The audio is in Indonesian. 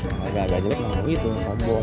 kalau yang agak agak jelek mau gitu sombong